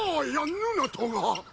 ぬなとが！